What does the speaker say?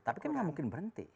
tapi kan nggak mungkin berhenti